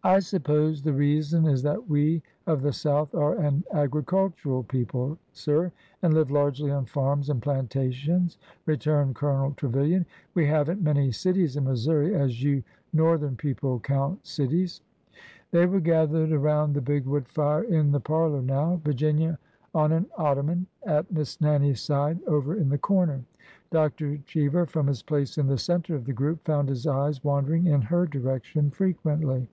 " I suppose the reason is that we of the South are an agricultural people, sir, and live largely on farms and plantations," returned Colonel Trevilian. "We haven't many cities in Missouri, as you Northern people count cities." They were gathered around the big wood fire in the parlor now, Virginia on an ottoman at Miss Nannie's side, over in the corner. Dr. Cheever, from his place in the center of the group, found his eyes wandering in her di rection frequently.